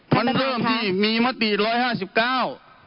มันเริ่มที่มีมติร้อยห้าสิบเก้า